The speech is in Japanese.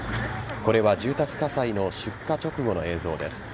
これは住宅火災の出火直後の映像です。